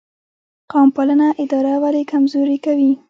قوم پالنه اداره ولې کمزورې کوي؟